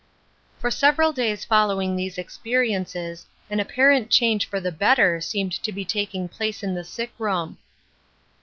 For several days following these experiences an apparent change for the better seemed to be taking place in the sick room.